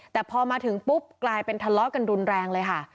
แต่พอมาถึงปุ๊บกลายเป็นทะเลาะกันรุนแรงเลยค่ะ